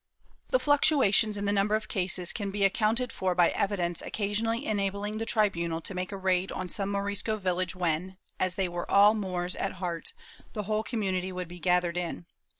^ The fluctuations in the number of cases can be accounted for by evidence occasionally enabling the tribunal to make a raid on some Morisco village when, as they were all Moors at heart, the whole community would be gathered in.